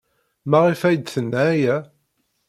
Maɣef ay d-tenna aya?